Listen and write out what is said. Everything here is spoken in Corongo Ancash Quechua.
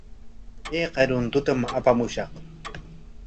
¿Ayka runtutam apamushqa?